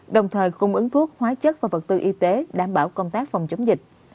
đồng thời cung ứng thuốc hóa chất và vật tư y tế đảm bảo công tác phòng chống dịch